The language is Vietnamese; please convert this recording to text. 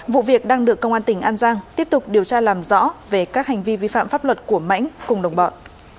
vụ việc đang được công an tỉnh an giang tiếp tục điều tra làm rõ về các hành vi vi phạm pháp luật của mãnh cùng đồng bọn